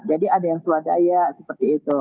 jadi ada yang swadaya seperti itu